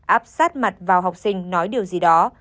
áp sát mặt vào học sinh nói điều gì đó